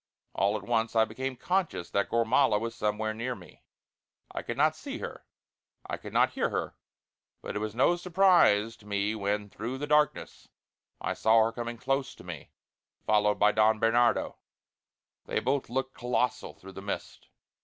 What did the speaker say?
All at once I became conscious that Gormala was somewhere near me. I could not see her, I could not hear her; but it was no surprise to me when through the darkness I saw her coming close to me, followed by Don Bernardino. They both looked colossal through the mist.